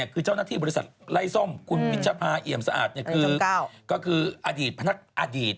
คือเจ้าหน้าที่บริษัทไล่ส้มคุณวิชภาเอี่ยมสะอาดก็คืออดีตพนักอดีต